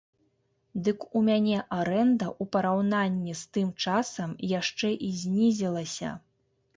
Дык у мяне арэнда ў параўнанні з тым часам яшчэ і знізілася!